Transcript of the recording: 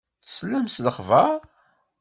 Teslam s lexber?